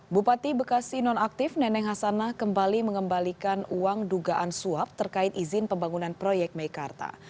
bupati bekasi nonaktif neneng hasanah kembali mengembalikan uang dugaan suap terkait izin pembangunan proyek meikarta